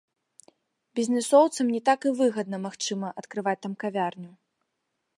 Бізнэсоўцам не так і выгадна, магчыма, адкрываць там кавярню.